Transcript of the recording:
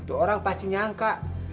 tuh orang pasti nyangka